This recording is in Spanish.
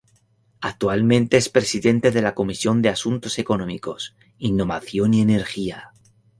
Actualmente es presidente de la Comisión de Asuntos Económicos, Innovación y Energía.